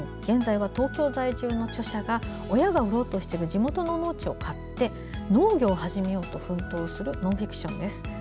現在は東京在住の著者が親が売ろうとしている地元の農地を買って農業を始めようと奮闘するノンフィクションです。